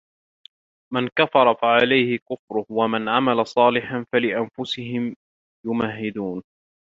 من كفر فعليه كفره ومن عمل صالحا فلأنفسهم يمهدون